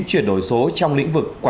chuyển đổi số trong lĩnh vực